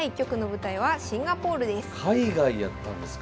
海外でやったんですか？